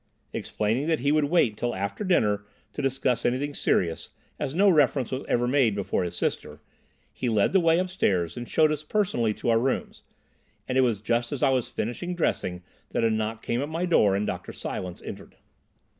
Explaining that he would wait till after dinner to discuss anything serious, as no reference was ever made before his sister, he led the way upstairs and showed us personally to our rooms; and it was just as I was finishing dressing that a knock came at my door and Dr. Silence entered.